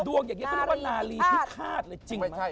ดวงอย่างนี้คือว่านาลีพิฆาตเลยจริงไหม